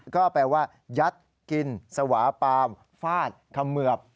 ก็แปลว่ายัดกินสวาปาล์มฟาดเขมือบ